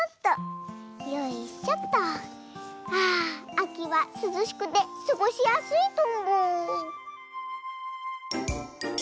あきはすずしくてすごしやすいとんぼ。